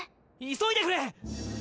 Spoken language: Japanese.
急いでくれ！